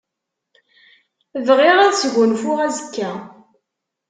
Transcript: Bɣiɣ ad sgunfuɣ azekka.